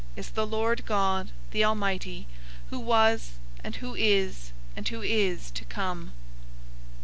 } is the Lord God, the Almighty, who was and who is and who is to come!"